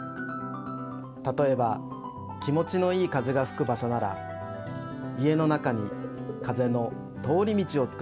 たとえば気もちのいい風がふく場所なら家の中に風の通り道をつくります。